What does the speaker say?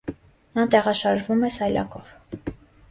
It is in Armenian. Նա տեղաշարժվում է սայլակով։